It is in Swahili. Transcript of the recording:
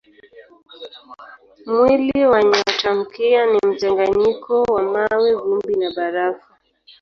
Mwili wa nyotamkia ni mchanganyiko wa mawe, vumbi na barafu.